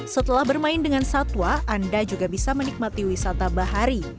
setelah bermain dengan satwa anda juga bisa menikmati wisata bahari